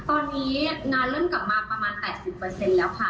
ตอนนี้งานเริ่มกลับมาประมาณ๘๐แล้วค่ะ